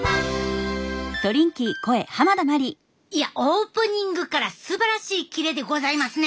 いやオープニングからすばらしいキレでございますね。